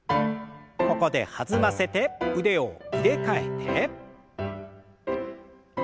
ここで弾ませて腕を入れ替えて。